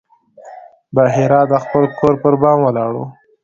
بحیرا د خپل کور پر بام ولاړ و.